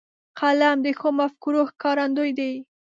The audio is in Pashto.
قلم د ښو مفکورو ښکارندوی دی